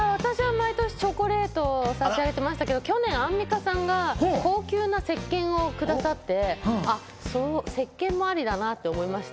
私は毎年、チョコレートを差し上げてましたけど、去年、アンミカさんが高級な石けんをくださって、石けんもありだなって思いました。